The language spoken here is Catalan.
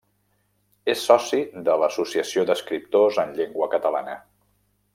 És soci de l’Associació d’Escriptors en Llengua Catalana.